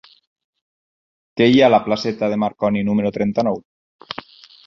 Què hi ha a la placeta de Marconi número trenta-nou?